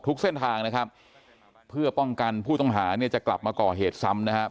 ทุกเส้นทางนะครับเพื่อป้องกันผู้ต้องหาเนี่ยจะกลับมาก่อเหตุซ้ำนะครับ